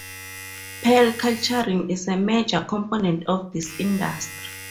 Pearl culturing is a major component of this industry.